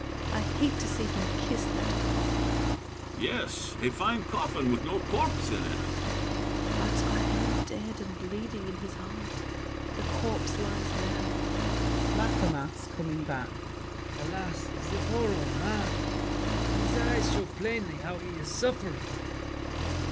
I hate to see him kiss that coffin. BRICHANTEAU. Yes—a fine coffin with no corpse in it! SAVERNY. But I am dead and bleeding in his heart. The corpse lies there. LAFFEMAS (coming back). Alas, the poor old man! His eyes show plainly how he's suffering!